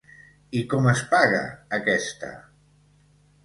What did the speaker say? I com es paga aquesta.?